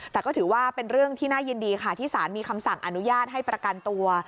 แต่ก็ถือว่าเป็นเรื่องที่น่ายินดีค่ะที่สารมีคำสั่งอนุญาตให้ประกันตัว